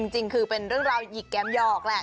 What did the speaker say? จริงคือเป็นเรื่องราวหยิกแกมหยอกแหละ